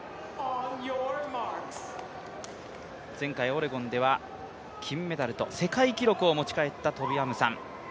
前回オレゴンでは金メダルと世界記録を持ち帰ったトビ・アムサン。